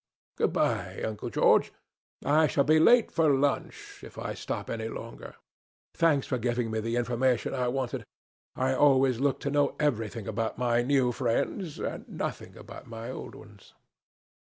"Good bye, Uncle George. I shall be late for lunch, if I stop any longer. Thanks for giving me the information I wanted. I always like to know everything about my new friends, and nothing about my old ones."